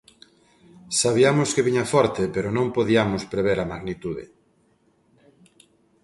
Sabiamos que viña forte pero non podiamos prever a magnitude.